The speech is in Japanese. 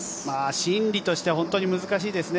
心理としては本当に難しいですね。